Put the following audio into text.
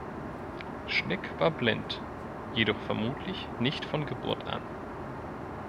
Schlick war blind, jedoch vermutlich nicht von Geburt an.